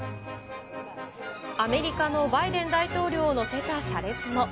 アメリカのバイデン大統領を乗せた車列も。